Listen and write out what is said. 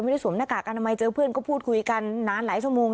ไม่ได้สวมหน้ากากกันถึงเจอกับเพื่อนก็พูดคุยกันนานหลายชั่วโมง